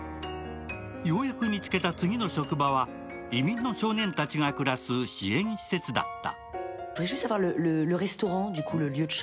ようやく見つけた次の職場は移民の少年たちが暮らす支援施設だった。